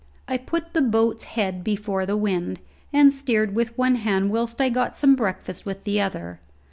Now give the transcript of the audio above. I put the boat's head before the wind, and steered with one hand whilst I got some breakfast with the other.